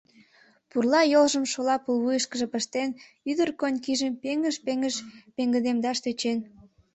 Пурла йолжым шола пулвуйышкыжо пыштен, ӱдыр конькижым пеҥыж-пеҥыж пеҥгыдемдаш тӧчен.